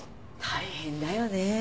大変だよね。